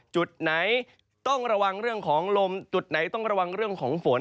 จุดไหนต้องระวังเรื่องของลมจุดไหนต้องระวังเรื่องของฝน